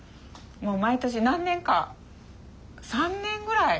もう毎年何年か？